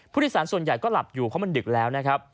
ผู้โดยสารส่วนใหญ่ก็หลับอยู่เพราะมันดึกแล้วนะครับ